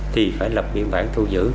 thì phải lập biên bản thu giữ